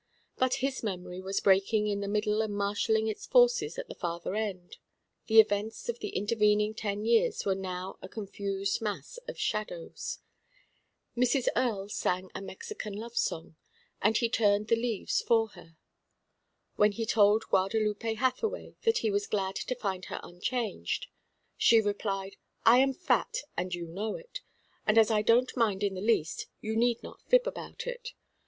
But his memory was breaking in the middle and marshalling its forces at the farther end; the events of the intervening ten years were now a confused mass of shadows. Mrs. Earle sang a Mexican love song, and he turned the leaves for her. When he told Guadalupe Hathaway that he was glad to find her unchanged, she replied: "I am fat, and you know it. And as I don't mind in the least, you need not fib about it.